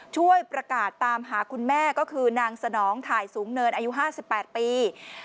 ช่วยประกาศตามหาคุณแม่ก็คือนางสนองถ่ายสูงเนินอายุ๕๘ปี